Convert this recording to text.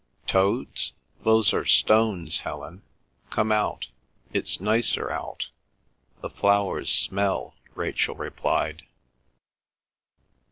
"Toads? Those are stones, Helen. Come out. It's nicer out. The flowers smell," Rachel replied.